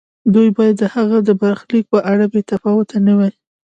دوی باید د هغه د برخلیک په اړه بې تفاوت نه وي.